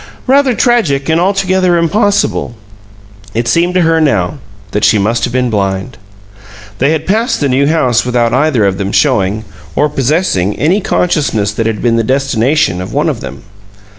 "Rather tragic and altogether impossible." It seemed to her now that she must have been blind. They had passed the New House without either of them showing or possessing any consciousness that it had been the destination of one of them.